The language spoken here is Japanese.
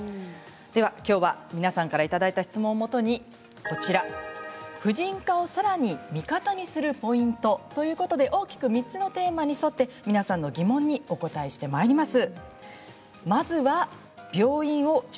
ではきょうは、皆さんからいただいた質問をもとに婦人科をさらに味方にするポイント、大きな３つのテーマに沿って皆さんの質問にお答えします。